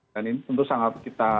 dan ini tentu sangat kita